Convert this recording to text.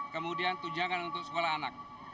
kemudian tunjangan untuk sekolah anak